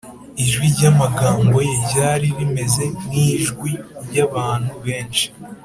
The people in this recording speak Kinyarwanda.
ijwi ry amagambo ye ryari rimeze nk ijwi ry abantu benshi